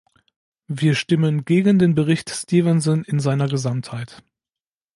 Wir stimmen gegen den Bericht Stevenson in seiner Gesamtheit.